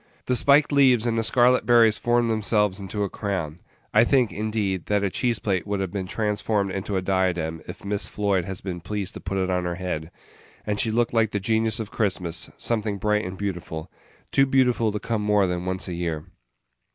The spiked leaves and the scarlet berries formed themselves into a crown I think, indeed, that a cheese plate would have been transformed into a diadem if Miss Floyd has been pleased to put it on her head and she looked like the genius of Christmas: something bright and beautiful too beautiful to come more than once a year.